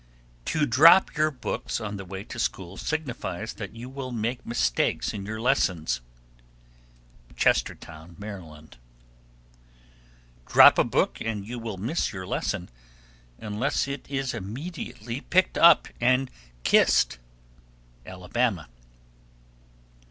_ 1275. To drop your books on the way to school signifies that you will make mistakes in your lessons. Chestertown, Md. 1276. Drop a book and you will miss your lesson, unless it is immediately picked up and kissed. _Alabama.